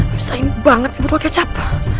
nusain banget sebetulnya kecap